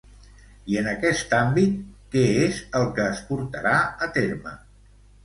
I en aquest àmbit, què és el que es portarà a terme?